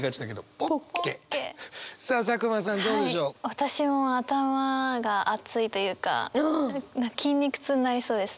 私も頭が熱いというか筋肉痛になりそうです。